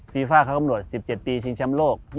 ฟีฟ่าเค้าอำนวจ๑๗ปีชิงช้ำโลก